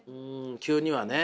急にはね。